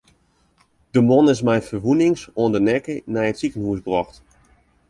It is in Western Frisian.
De man is mei ferwûnings oan de nekke nei it sikehûs brocht.